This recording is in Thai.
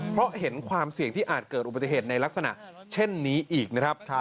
เพราะเห็นความเสี่ยงที่อาจเกิดอุบัติเหตุในลักษณะเช่นนี้อีกนะครับ